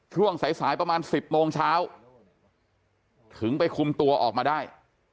ช่วงสายสายประมาณ๑๐โมงเช้าถึงไปคุมตัวออกมาได้